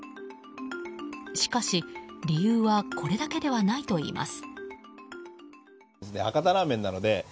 しかし、理由はこれだけではないといいます。